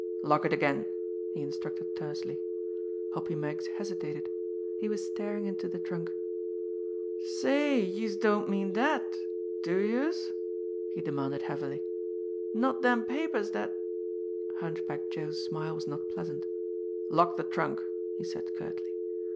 "Lock it again!" he instructed tersely. Hoppy Meggs hesitated he was staring into the trunk. "Say, youse don't mean dat do youse?" he demanded heavily. "Not dem papers dat " Hunchback Joe's smile was not pleasant. "Lock the trunk!" he said curtly.